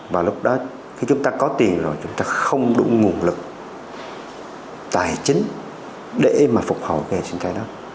và lúc đó khi chúng ta có tiền rồi chúng ta không đủ nguồn lực tài chính để mà phục hồi cái hệ sinh thái đó